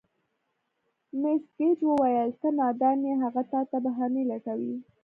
مېس ګېج وویل: ته نادان یې، هغه تا ته بهانې لټوي.